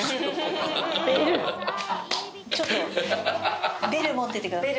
ちょっとベル持っててください。